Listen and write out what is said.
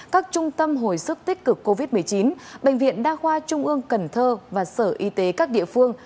các trung tâm hồi sức tích cực covid một mươi chín bệnh viện đa khoa trung ương cần thơ và sở y tế các địa phương